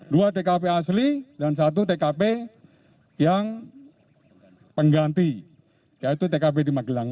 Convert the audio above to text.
dua tkp asli dan satu tkp yang pengganti yaitu tkp di magelang